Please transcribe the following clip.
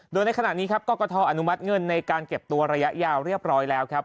โดยในขณะนี้ครับกรกฐอนุมัติเงินในการเก็บตัวระยะยาวเรียบร้อยแล้วครับ